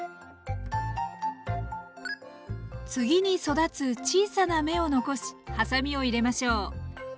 次に育つ小さな芽を残しはさみを入れましょう。